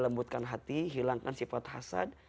lembutkan hati hilangkan sifat hasad